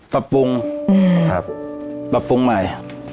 ปรับปรุงใหม่